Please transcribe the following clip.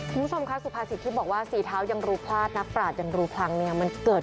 คุณผู้ชมคะสุภาษีที่บอกว่าสีเท้ายังรูพราชยังรูพรางเนี่ยมันเกิด